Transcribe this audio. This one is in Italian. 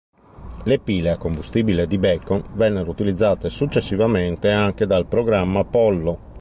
Le pile a combustibile di Bacon vennero utilizzate successivamente anche dal programma Apollo.